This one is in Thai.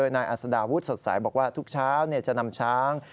นายอัศดาวุฒิสดใสบอกว่าทุกเช้าจะนำช้าง